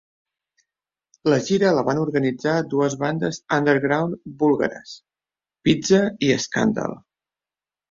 La gira la van organitzar dues bandes undergound búlgares: Pizza i Scandal.